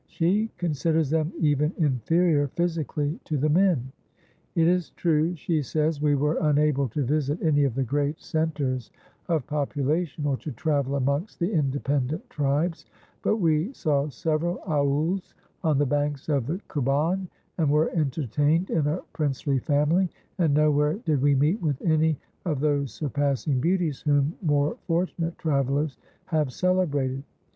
She considers them even inferior, physically, to the men. "It is true," she says, "we were unable to visit any of the great centres of population, or to travel amongst the independent tribes, but we saw several aouls on the banks of the Kouban, and were entertained in a princely family, and nowhere did we meet with any of those surpassing beauties whom more fortunate travellers have celebrated."